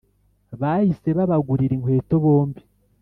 Bahise Babagurira inkweto bombi